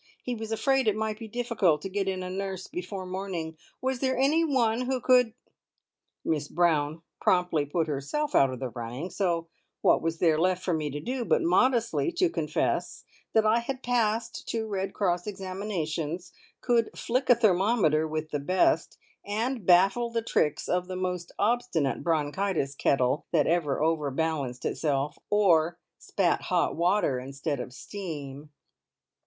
He was afraid it might be difficult to get in a nurse before morning. Was there anyone who could Miss Brown promptly put herself out of the running, so what was there left for me to do but modestly to confess that I had passed two Red Cross examinations, could flick a thermometer with the best, and baffle the tricks of the most obstinate bronchitis kettle that ever overbalanced itself, or spat hot water instead of steam.